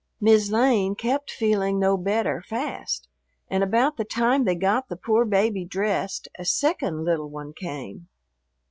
"Mis' Lane" kept feeling no better fast, and about the time they got the poor baby dressed a second little one came.